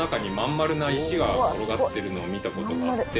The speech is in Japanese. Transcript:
転がってるのを見たことがあって。